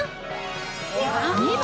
２番！